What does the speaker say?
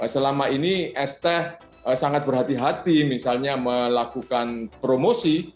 selama ini st sangat berhati hati misalnya melakukan promosi